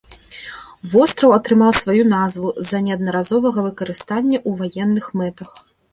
Востраў атрымаў сваю назву з-за неаднаразовага выкарыстання ў ваенных мэтах.